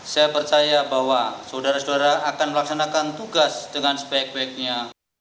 saya percaya bahwa saudara saudara akan melaksanakan tugas dengan sebaik baiknya